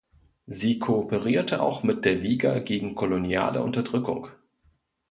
Sie kooperierte auch mit der Liga gegen koloniale Unterdrückung.